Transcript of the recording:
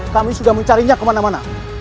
kami sudah mencarinya kemana mana